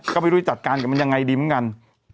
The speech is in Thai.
ก็ไม่รู้จัดการกับมันยังไงดีเหมือนกัน